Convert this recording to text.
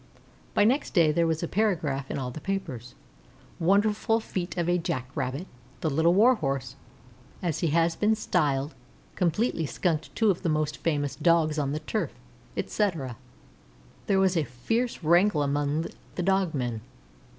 Next day there was a paragraph in all the papers: "WONDERFUL FEAT OF A JACKRABBIT. The Little Warhorse, as he has been styled, completely skunked two of the most famous Dogs on the turf," etc. There was a fierce wrangle among the dog men.